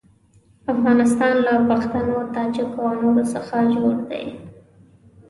افغانستان له پښتنو، تاجکو او نورو څخه جوړ دی.